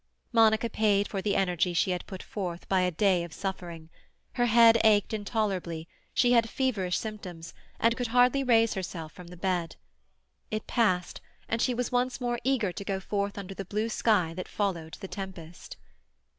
Monica paid for the energy she had put forth by a day of suffering. Her head ached intolerably; she had feverish symptoms, and could hardly raise herself from the bed. It passed, and she was once more eager to go forth under the blue sky that followed the tempest.